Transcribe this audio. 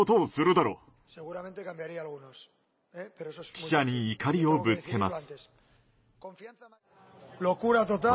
記者に怒りをぶつけます。